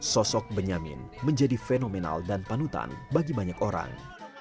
sosok benyamin menjadi fenomenal dan panutan bagi banyak orang